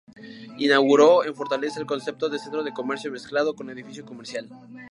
Inauguró, en Fortaleza, el concepto de centro de comercio mezclado con edificio comercial.